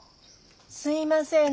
すいませんね。